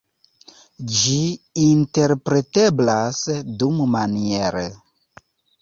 Ĝi interpreteblas dumaniere.